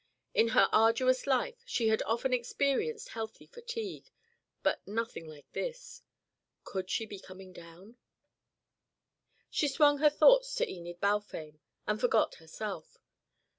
In her arduous life she had often experienced healthy fatigue, but nothing like this. Could she be coming down? She swung her thoughts to Enid Balfame, and forgot herself.